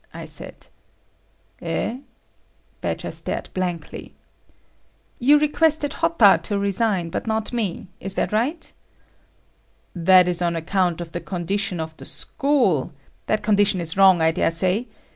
I said. "Eh?" Badger stared blankly. "You requested Hotta to resign, but not me. Is that right?" "That is on account of the condition of the school……" "That condition is wrong, I dare say.